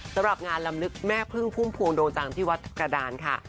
สำหรับงานลำลึกแม่พึ่งพุ่มพวงดวงจันทร์ที่วัดกระดานค่ะ